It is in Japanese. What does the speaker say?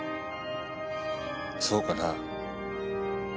そうかなあ？